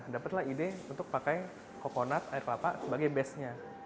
dapatlah ide untuk pakai kokonat air kelapa sebagai base nya